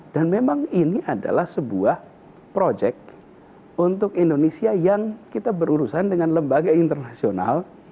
dan memang ini adalah sebuah projek untuk indonesia yang kita berurusan dengan lembaga internasional